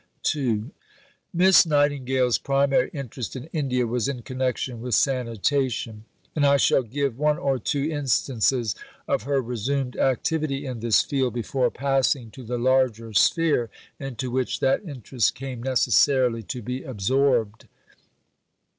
II Miss Nightingale's primary interest in India was in connection with sanitation, and I shall give one or two instances of her resumed activity in this field before passing to the larger sphere into which that interest came necessarily to be absorbed.